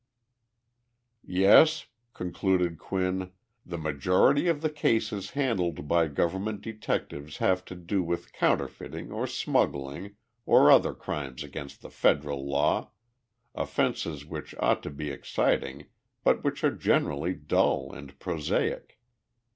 "Yes," concluded Quinn, "the majority of the cases handled by government detectives have to do with counterfeiting or smuggling or other crimes against the federal law offenses which ought to be exciting but which are generally dull and prosaic.